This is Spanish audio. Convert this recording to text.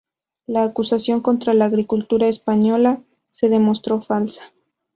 La acusación contra la agricultura española se demostró falsa.